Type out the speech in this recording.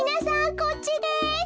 こっちです。